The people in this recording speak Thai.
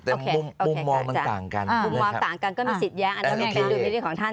แต่มุมมองมันต่างกันอ่ามุมมองต่างกันก็มีสิทธิ์แย้งอันนี้คือวิธีของท่าน